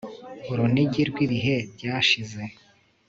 Urunigi rwibihe byashize